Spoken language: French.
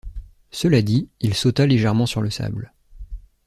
Cela dit, il sauta légèrement sur le sable.